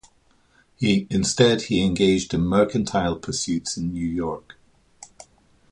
Instead, he engaged in mercantile pursuits in New York.